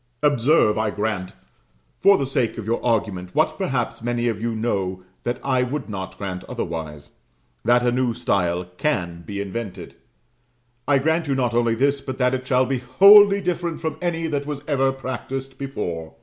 Observe, I grant, for the sake of your argument, what perhaps many of you know that I would not grant otherwise that a new style can be invented. I grant you not only this, but that it shall be wholly different from any that was ever practised before.